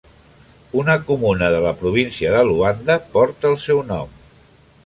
Una comuna de la província de Luanda porta el seu nom.